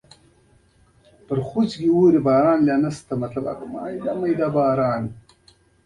لارښوونه یې ورته وکړه.